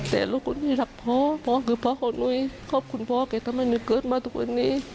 แต่ลูกคนนี้รักพ่อพ่อคือพ่อของนุ้ยขอบคุณพ่อแกทำไมนุ้ยเกิดมาทุกวันนี้